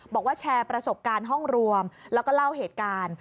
บอกว่าแชร์ประสบการณ์ห้องรวมแล้วก็เล่าเหตุการณ์